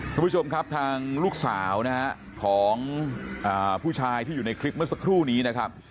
คุณผู้ชมครับทางลูกสาวนะฮะของผู้ชายที่อยู่ในคลิปเมื่อสักครู่นี้นะครับ